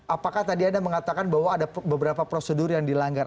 apakah tadi anda mengatakan bahwa ada beberapa prosedur yang dilanggar